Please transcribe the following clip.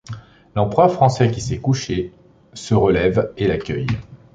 L'empereur français, qui s'est couché, se relève et l'accueille.